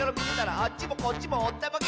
「あっちもこっちもおったまげ！」